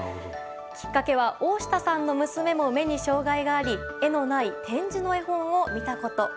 きっかけは大下さんの娘も目に障害があり絵のない点字の絵本を見たこと。